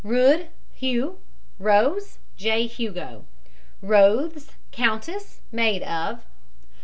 ROOD, HUGH R. ROES, J. HUGO. ROTHES, COUNTESS, maid of.